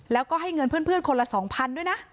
แล้วก็ให้เงินเพื่อนคนละ๒๐๐ด้วยนะ